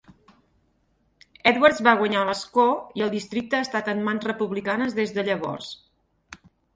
Edwards va guanyar l'escó, i el districte ha estat en mans republicanes des de llavors.